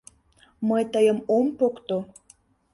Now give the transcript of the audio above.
— Мый тыйым ом покто.